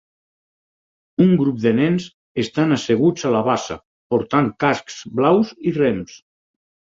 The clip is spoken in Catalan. Un grup de nens estan asseguts a la bassa portant cascs blaus i rems.